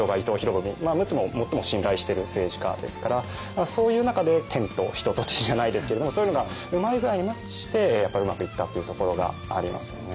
陸奥も最も信頼してる政治家ですからそういう中で天と人と地じゃないですけれどもそういうのがうまい具合にマッチしてやっぱりうまくいったっていうところがありますよね。